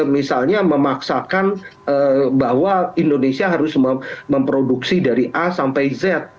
misalnya memaksakan bahwa indonesia harus memproduksi dari a sampai z